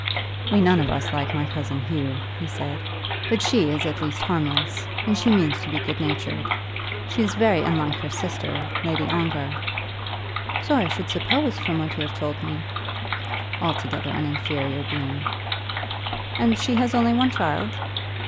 "We none of us like my cousin Hugh," he had said. "But she is at least harmless, and she means to be good natured. She is very unlike her sister, Lady Ongar." "So I should suppose, from what you have told me." "Altogether an inferior being." "And she has only one child."